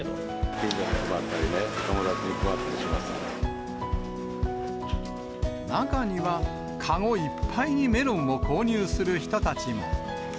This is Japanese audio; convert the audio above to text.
近所に配ったり、友達に配っ中には、籠いっぱいにメロンを購入する人たちも。